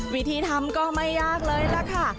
วิธีทำก็ไม่ยากเลยล่ะค่ะ